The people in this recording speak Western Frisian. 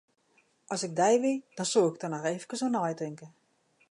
As ik dy wie, dan soe ik der noch efkes oer neitinke.